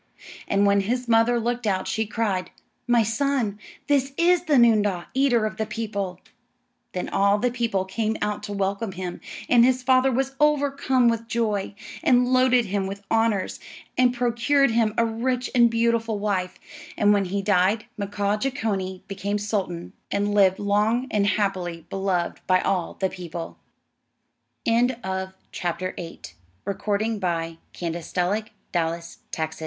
And when his mother looked out, she cried, "My son, this is the noondah, eater of the people." Then all the people came out to welcome him, and his father was overcome with joy, and loaded him with honors, and procured him a rich and beautiful wife; and when he died Mkaaah Jeechonee became sultan, and lived long and happily, beloved by all the people. IX. THE MAGICIAN AND THE SULTAN'S SON.